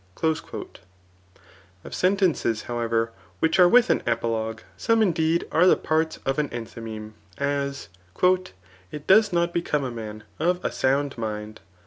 *'' Ctf sentences, however, which are with an epilogue, some indeed are the parts of an cndiymeme ; as, *^ It does not becoDie a man of a sound mind.''